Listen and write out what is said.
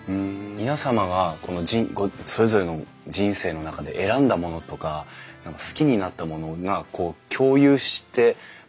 皆様がそれぞれの人生の中で選んだものとか好きになったものがこう共有して交わって